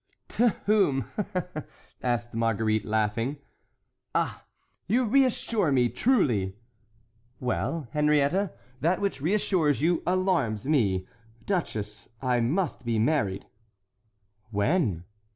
"To whom?" asked Marguerite, laughing. "Ah! you reassure me, truly!" "Well, Henriette, that which reassures you, alarms me. Duchess, I must be married." "When?"